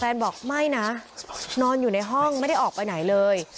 บอกไม่นะนอนอยู่ในห้องไม่ได้ออกไปไหนเลย